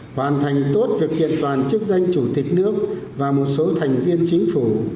hoàn thành tốt việc kiện toàn chức danh chủ tịch nước và một số thành viên chính phủ